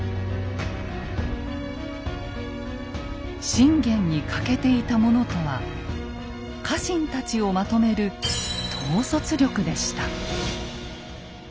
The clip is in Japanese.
信玄に欠けていたものとは家臣たちをまとめる「統率力」でした。